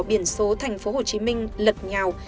biển số thành phố hồ chí minh lật nhào